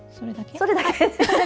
それだけです！